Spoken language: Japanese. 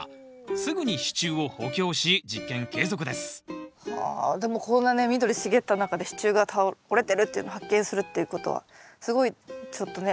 すぐに支柱を補強し実験継続ですはあでもこんなね緑茂った中で支柱が折れてるっていうのを発見するっていうことはすごいちょっとね